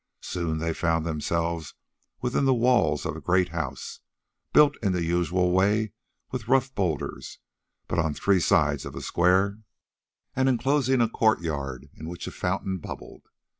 Soon they found themselves within the walls of a great house, built in the usual way with rough boulders, but on three sides of a square, and enclosing a courtyard in which a fountain bubbled.